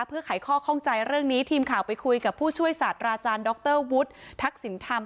เพื่อไขข้อข้องใจเรื่องนี้ทีมข่าวไปคุยกับผู้ช่วยศาสตราจารย์ดรวุฒิทักษิณธรรม